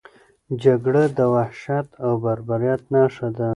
جګړه د وحشت او بربریت نښه ده.